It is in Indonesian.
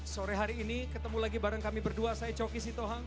sore hari ini ketemu lagi bareng kami berdua saya coki sitohang